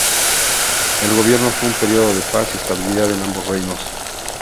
Su gobierno fue un período de paz y estabilidad en ambos reinos.